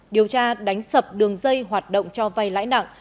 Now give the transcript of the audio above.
điều tra đánh sập đường dây hoạt động cho vay lãi nặng